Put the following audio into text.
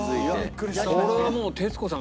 これはもう徹子さん